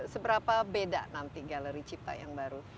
seberapa beda nanti galeri cipta yang baru